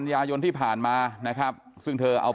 โลกไว้แล้วพี่ไข่โลกไว้แล้วพี่ไข่